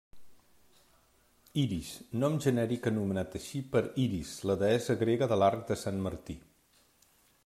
Iris: nom genèric anomenat així per Iris la deessa grega de l'arc de Sant Martí.